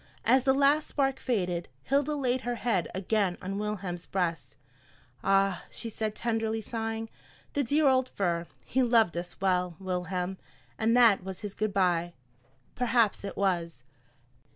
As the last spark faded, Hilda laid her head again on Wilhelm's breast. "Ah!" she said, tenderly sighing, "the dear old fir! He loved us well, Wilhelm, and that was his 'good by.'" Perhaps it was!